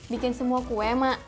bikin semua kue emak